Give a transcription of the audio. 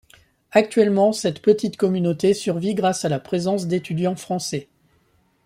Actuellement, cette petite communauté survit grâce à la présence d'étudiants français.